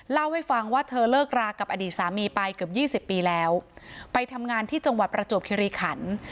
เล่าให้ฟังว่าเธอเลิกรากับอดีตสามีไปเกือบยี่สิบปีแล้วไปทำงานที่จังหวัดประจวบคิริขัน